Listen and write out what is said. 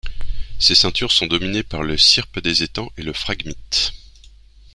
Ces ceintures sont dominées par le scirpe des étangs et le phragmite.